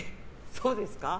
そうですか？